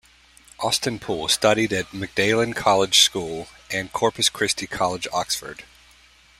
Austin Poole studied at Magdalen College School and Corpus Christi College, Oxford.